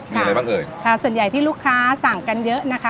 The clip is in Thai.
มีอะไรบ้างเอ่ยค่ะส่วนใหญ่ที่ลูกค้าสั่งกันเยอะนะคะ